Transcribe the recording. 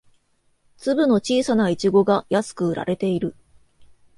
粒の小さなイチゴが安く売られている